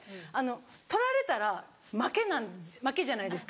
取られたら負けじゃないですか。